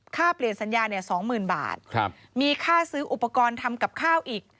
ค่าเปลี่ยนสัญญา๒๐๐๐บาทมีค่าซื้ออุปกรณ์ทำกับข้าวอีก